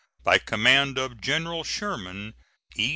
By command of General Sherman: E.